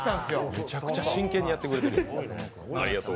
めちゃくちゃ真剣にやってくれてる。